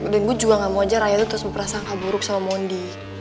dan gua juga gak mau aja raya terus berperasaan gak buruk sama mondi